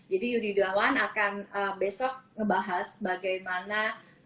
jadi yudi yudawan akan besok ngebahas bagaimana